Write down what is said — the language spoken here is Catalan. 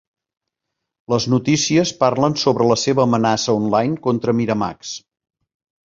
Les notícies parlen sobre la seva amenaça online contra Miramax.